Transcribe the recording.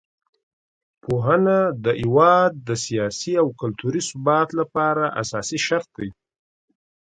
پوهنه د هېواد د سیاسي او کلتوري ثبات لپاره اساسي شرط دی.